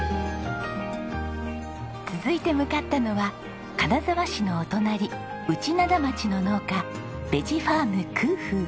続いて向かったのは金沢市のお隣内灘町の農家ベジファーム空風。